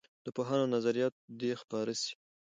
د پوهانو نظریات دې خپاره سي.